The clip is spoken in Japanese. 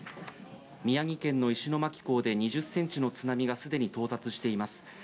宮城県の石巻港で２０ｃｍの津波がすでに到達しています。